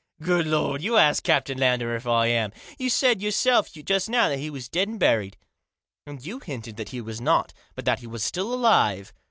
Good Lord ! You ask Captain Lander if I am. You said yourself just now that he was dead and buried." " And you hinted that he was not, but that he was still alive."